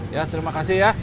ya terima kasih ya